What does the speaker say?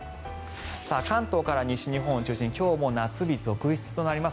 関東から西日本を中心に今日も夏日続出となります。